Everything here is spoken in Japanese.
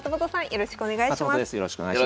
よろしくお願いします。